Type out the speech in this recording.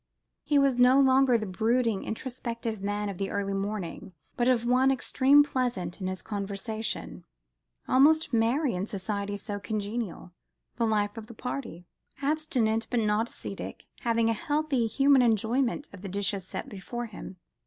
This was no longer the brooding introspective man of the early morning, but one "extreme pleasant in his conversation," almost merry in society so congenial, the life of the party: abstinent, but not ascetic, having a healthy, human enjoyment of the dishes set before him.